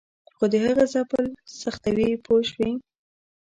خو د هغه ځپل سختوي پوه شوې!.